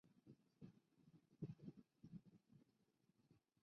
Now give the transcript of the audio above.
隐棘真缘吸虫为棘口科真缘属的动物。